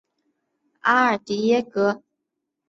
阿尔迪耶格。